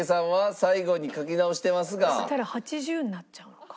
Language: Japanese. そしたら８０になっちゃうのか。